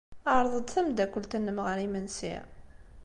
Ɛreḍ-d tameddakelt-nnem ɣer yimensi.